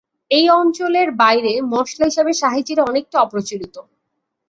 এই অঞ্চলের বাইরে মসলা হিসেবে শাহী জিরা অনেকটা অপ্রচলিত।